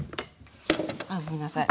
あごめんなさい。